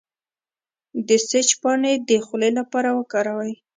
د سیج پاڼې د خولې لپاره وکاروئ